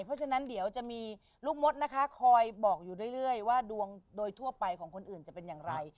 เพราะฉะนั้นเดี๋ยวจะมีลูกมดนะคะคอยบอกอยู่เรื่อยว่าดวงโดยทั่วไปของคนอื่นจะเป็นอย่างไร